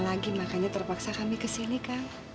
lagi makanya terpaksa kami kesini kang